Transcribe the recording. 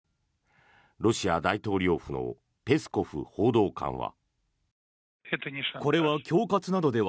ロシア大統領府のペスコフ報道官は。